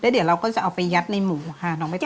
เดี๋ยวเราก็จะเอาไปยัดในหมูค่ะน้องไม่ต้อง